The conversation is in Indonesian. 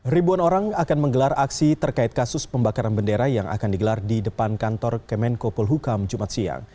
ribuan orang akan menggelar aksi terkait kasus pembakaran bendera yang akan digelar di depan kantor kemenkopol hukam jumat siang